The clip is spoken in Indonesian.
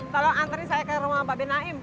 tolong anterin saya ke rumah mbak benaim